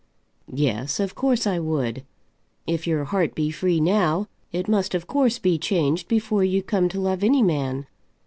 "Yes, of course I would. If your heart be free now, it must of course be changed before you come to love any man.